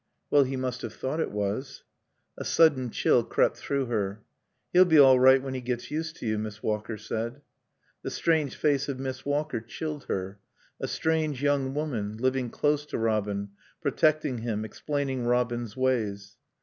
"Well, he must have thought it was." A sudden chill crept through her. "He'll be all right when he gets used to you," Miss Walker said. The strange face of Miss Walker chilled her. A strange young woman, living close to Robin, protecting him, explaining Robin's ways.